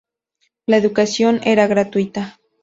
La educación era gratuita.